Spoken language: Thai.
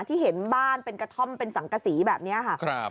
ที่เห็นบ้านเป็นกระท่อมเป็นสังกษีแบบนี้ค่ะ